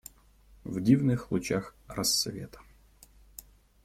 В дивных лучах рассвета.